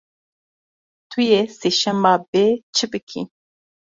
Tu yê sêşema bê çi bikî?